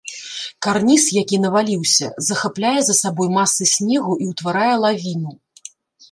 Карніз, які наваліўся, захапляе за сабой масы снегу і ўтварае лавіну.